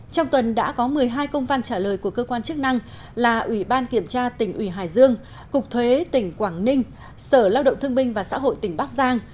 trong tuần đã có một mươi hai công văn trả lời của cơ quan chức năng là ủy ban kiểm tra tỉnh ủy hải dương cục thuế tỉnh quảng ninh sở lao động thương binh và xã hội tỉnh bắc giang